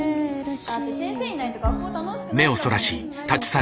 だって先生いないと学校楽しくないんだもん。